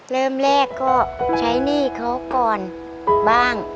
เริ่มแรกก็ใช้หนี้เขาก่อนบ้าง